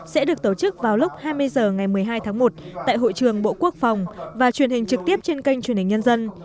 sẽ được tổ chức vào lúc hai mươi h ngày một mươi hai tháng một tại hội trường bộ quốc phòng và truyền hình trực tiếp trên kênh truyền hình nhân dân